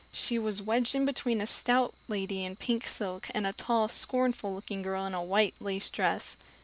She was wedged in between a stout lady in pink silk and a tall, scornful looking girl in a white lace dress.